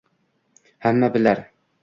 «Hamma bilar